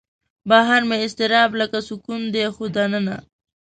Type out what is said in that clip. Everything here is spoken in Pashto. بهر مې اضطراب لکه سکون دی خو دننه